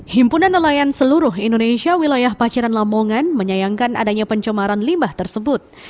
himpunan nelayan seluruh indonesia wilayah paciran lamongan menyayangkan adanya pencemaran limbah tersebut